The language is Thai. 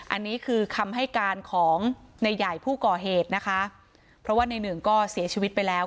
อันนี้คือคำให้การของในใหญ่ผู้ก่อเหตุนะคะเพราะว่าในหนึ่งก็เสียชีวิตไปแล้ว